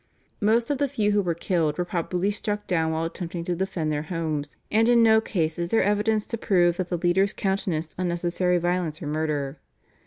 Most of the few who were killed were probably struck down while attempting to defend their homes, and in no case is there evidence to prove that the leaders countenanced unnecessary violence or murder.